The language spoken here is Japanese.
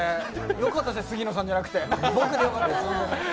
よかったです、杉野さんじゃなくて僕でよかったです。